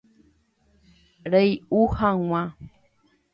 Rey'u hag̃ua.